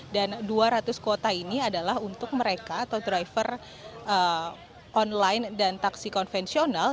dan dua ratus kuota ini adalah untuk mereka atau driver online dan taksi konvensional